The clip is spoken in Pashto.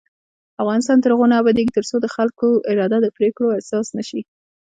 افغانستان تر هغو نه ابادیږي، ترڅو د خلکو اراده د پریکړو اساس نشي.